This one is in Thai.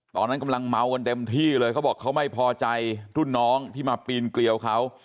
ตอนนั้นกำลังเมากันเต็มที่เลยเขาบอกเขาไม่พอใจรุ่นน้องที่มาปีนเกลียวเขา